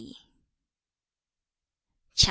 CHAP.